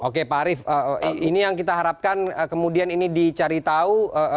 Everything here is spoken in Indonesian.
oke pak arief ini yang kita harapkan kemudian ini dicari tahu